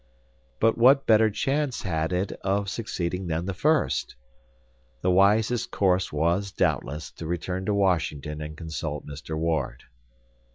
But what better chance had it of succeeding than the first? The wisest course was, doubtless, to return to Washington and consult Mr. Ward.